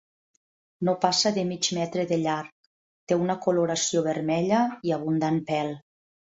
No passa de mig metre de llarg, té una coloració vermella i abundant pèl.